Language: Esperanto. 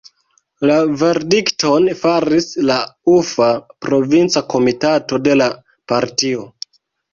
La verdikton faris la Ufa provinca komitato de la partio.